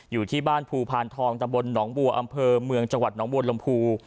อยู่ที่บ้านภูพานทองตำบลหนองบัวอำเภอเมืองจังหวัดหนองบัวลำพู